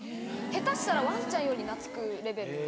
下手したらワンちゃんより懐くレベルで。